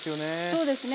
そうですね。